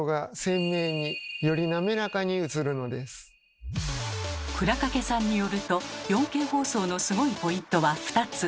なので映像が倉掛さんによると４Ｋ放送のスゴいポイントは２つ。